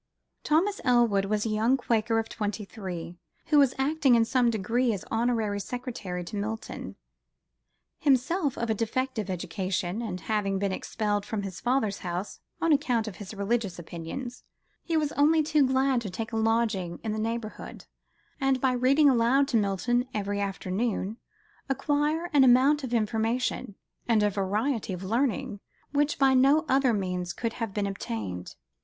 Thomas Elwood was a young Quaker of twenty three, who was acting in some degree as honorary secretary to Milton. Himself of a defective education, and having been expelled from his father's house on account of his religious opinions, he was only too glad to take a lodging in the neighbourhood, and, by reading aloud to Milton every afternoon, acquire an amount of information and a variety of learning, which by no other means could he have obtained.